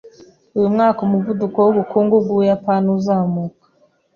Uyu mwaka umuvuduko w’ubukungu bw’Ubuyapani uzamuka